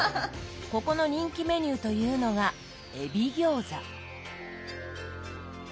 ここの人気メニューというのがエビ餃子。